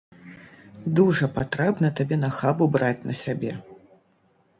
Дужа патрэбна табе нахабу браць на сябе!